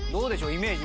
イメージ。